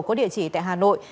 có địa chỉ tại hà nội